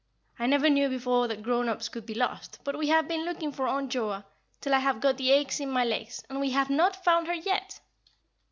I never knew before that grown ups could be lost, but we have been looking for Aunt Joa, till I have got the aches in my legs, and we have not found her yet!"